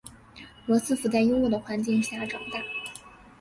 罗斯福在优渥的环境下长大。